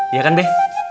iya kan be